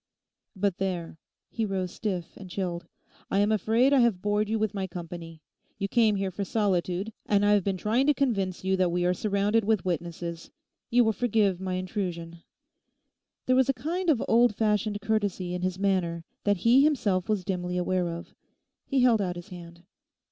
But there'—he rose stiff and chilled—'I am afraid I have bored you with my company. You came here for solitude, and I have been trying to convince you that we are surrounded with witnesses. You will forgive my intrusion?' There was a kind of old fashioned courtesy in his manner that he himself was dimly aware of. He held out his hand.